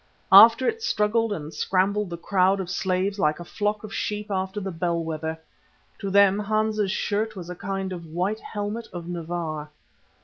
After it struggled and scrambled the crowd of slaves like a flock of sheep after the bell wether. To them Hans's shirt was a kind of "white helmet of Navarre."